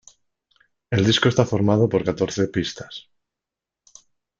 El disco está formado por catorce pistas.